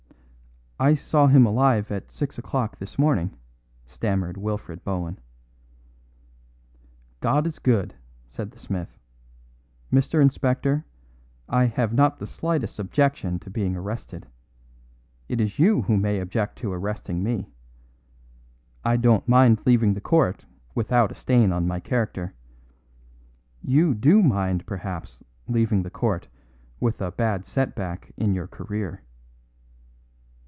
"I saw him alive at six o'clock this morning," stammered Wilfred Bohun. "God is good," said the smith. "Mr. Inspector, I have not the slightest objection to being arrested. It is you who may object to arresting me. I don't mind leaving the court without a stain on my character. You do mind perhaps leaving the court with a bad set back in your career."